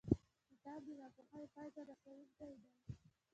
کتاب د ناپوهۍ پای ته رسوونکی دی.